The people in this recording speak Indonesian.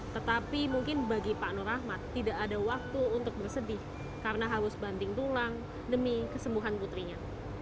tetapi mungkin bagi pak nur rahmat tidak ada waktu untuk bersedih karena harus banting tulang demi kesembuhan putrinya